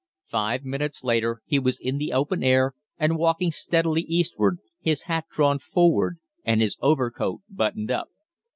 Five minutes later he was in the open air and walking steadily eastward, his hat drawn forward and his overcoat buttoned up.